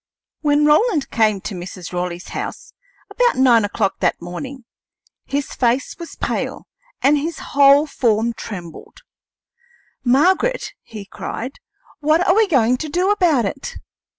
When Roland came to Mrs. Raleigh's house, about nine o'clock that morning, his face was pale and his whole form trembled. "Margaret," he cried, "what are we going to do about it?